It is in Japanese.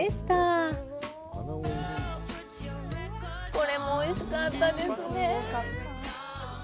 これもおいしかったですね